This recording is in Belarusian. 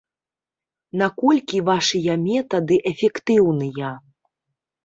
Наколькі вашыя метады эфектыўныя?